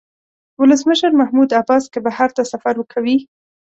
ولسمشر محمود عباس که بهر ته سفر کوي.